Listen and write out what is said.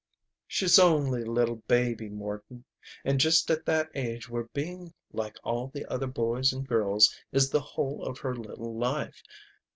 "She's only a little baby, Morton. And just at that age where being like all the other boys and girls is the whole of her little life.